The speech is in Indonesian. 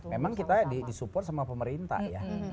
memang kita di support sama pemerintah ya